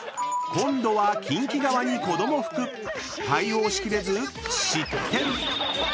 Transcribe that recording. ［今度はキンキ側に子供服］［対応し切れず失点］